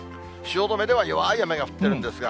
汐留では弱い雨が降ってるんですが。